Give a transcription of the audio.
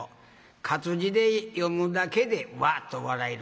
活字で読むだけでうわっと笑える。